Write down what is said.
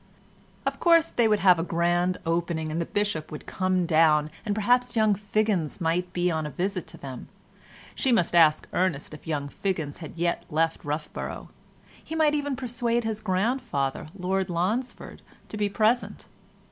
Of course, they would have a grand opening, and the Bishop would come down, and perhaps young Figgins might be on a visit to them—she must ask Ernest if young Figgins had yet left Roughborough—he might even persuade his grandfather Lord Lonsford to be present.